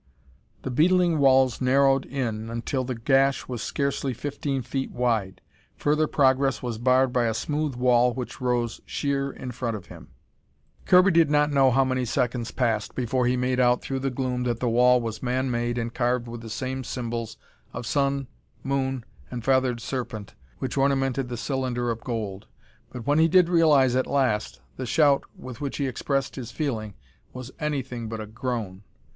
The beetling walls narrowed in until the gash was scarcely fifteen feet wide. Further progress was barred by a smooth wall which rose sheer in front of him. Kirby did not know how many seconds passed before he made out through the gloom that the wall was man made and carved with the same symbols of Sun, Moon, and Feathered Serpent, which ornamented the cylinder of gold. But when he did realize at last, the shout with which he expressed his feeling was anything but a groan.